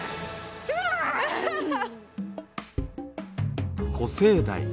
アハハ！